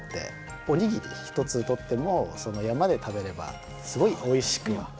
お握り一つとっても山で食べればすごいおいしく感じる。